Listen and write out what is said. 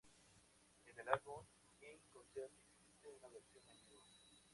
En el álbum In Concert existe una versión en vivo.